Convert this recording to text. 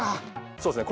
そうですね